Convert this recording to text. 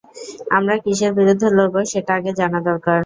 আমরা কিসের বিরুদ্ধে লড়বো সেটা আগে জানা দরকার!